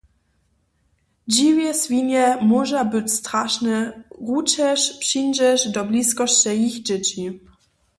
Dźiwje swinje móža być strašne, ručež přindźeš do bliskosće jich dźěći.